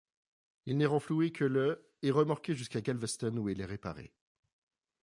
Il n’est renfloué que le et remorqué jusqu’à Galveston où il est réparé.